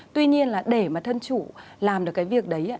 tuy nhiên là để mà thân chủ làm được cái việc đấy